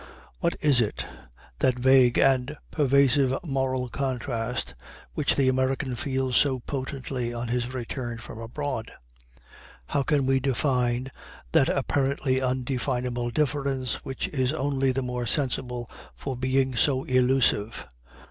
What is it that vague and pervasive moral contrast which the American feels so potently on his return from abroad? How can we define that apparently undefinable difference which is only the more sensible for being so elusive?